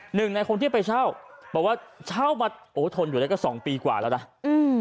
หนึ่งในคนที่ไปเช่าบอกว่าเช่ามาโอ้ทนอยู่ได้ก็สองปีกว่าแล้วนะอืม